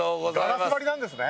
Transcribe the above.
ガラス張りなんですね。